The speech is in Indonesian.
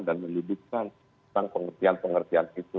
dan melibatkan tentang pengertian pengertian itu